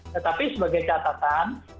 tetapi sebagai catatan